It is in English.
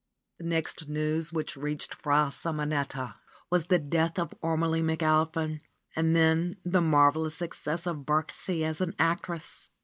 The next news which reached Fra Simonetta was the death of Ormelie McAlpin and then the marvelous suc cess of Birksie as an actress.